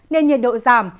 nền nhiệt độ giảm